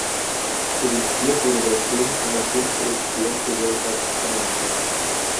Produziert wurde der Film von der Filmproduktionsgesellschaft Cannon Films.